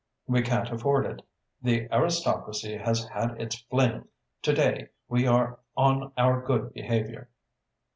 We can't afford it. The aristocracy has had its fling. To day we are on our good behaviour."